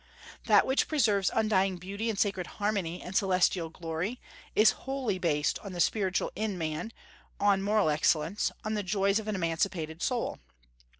That which preserves undying beauty and sacred harmony and celestial glory is wholly based on the spiritual in man, on moral excellence, on the joys of an emancipated soul.